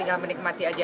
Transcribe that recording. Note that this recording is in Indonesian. tinggal menikmati aja